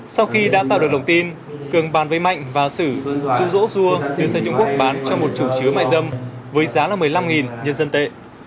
sau khi đã tạo được lòng tin cường bàn với mạnh và xử dụ dỗ dua đưa sang trung quốc bán cho một chủ chứa mại dâm với giá là một mươi năm nhân dân tệ